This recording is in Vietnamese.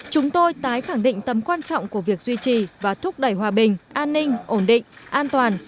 chúng tôi tái khẳng định tầm quan trọng của việc duy trì và thúc đẩy hòa bình an ninh ổn định an toàn